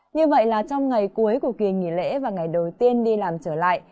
như vậy là trong ngày cuối của kỳ nghỉ lễ và ngày đầu tiên đi làm trở lại